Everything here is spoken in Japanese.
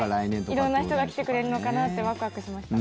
色んな人が来てくれるのかなってワクワクしました。